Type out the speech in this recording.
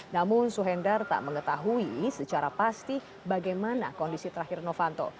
namun suhendar tak mengetahui secara pasti bagaimana kondisi terakhir novanto